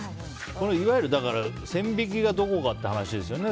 いわゆる線引きがどこかという話ですね。